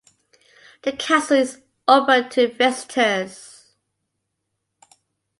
The castle is open to visitors.